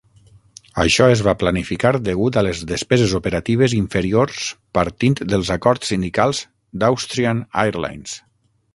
Això es va planificar degut a les despeses operatives inferiors partint dels acords sindicals d"Austrian Airlines.